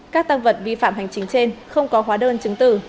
các tăng vật vi phạm hành chính trên không có hóa đơn chứng tử